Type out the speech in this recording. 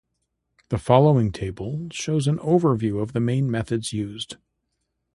The following table shows an overview of the main methods used.